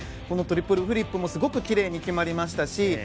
このトリプルフリップもすごくきれいに決まりましたし。